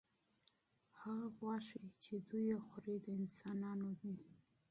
هغه غوښې چې دوی یې خوري، د انسانانو دي.